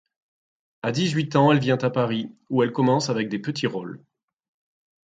À dix-huit ans elle vient à Paris où elle commence avec des petits rôles.